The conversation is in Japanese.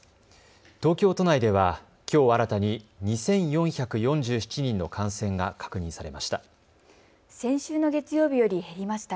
東京都内ではきょう新たに２４４７人の感染が確認されました。